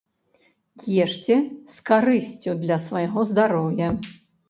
Ешце з карысцю для свайго здароўя!